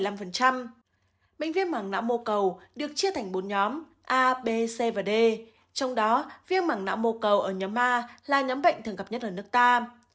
bệnh viên mảng nã mô cầu được chia thành bốn nhóm a b c và d trong đó viên mảng nã mô cầu ở nhóm a là nhóm bệnh thường gặp nhất ở nước ta